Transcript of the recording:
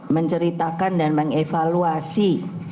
menceritakan dan mengevaluasi